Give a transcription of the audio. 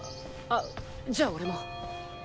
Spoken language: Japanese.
あじゃあ俺も。